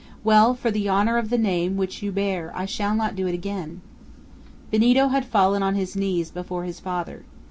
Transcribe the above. Well, for the honor of the name which you bear I shall not do so again." Benito had fallen on his knees before his father.